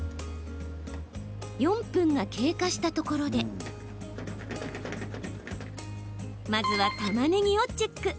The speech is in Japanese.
４分が経過したところでまずは、たまねぎをチェック。